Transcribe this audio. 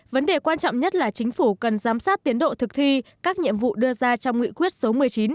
vấn đề quan trọng nhất là chính phủ cần giám sát tiến độ thực thi các nhiệm vụ đưa ra trong nghị quyết số một mươi chín